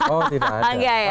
oh tidak ada